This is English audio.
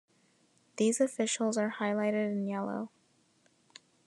These officials are highlighted in yellow.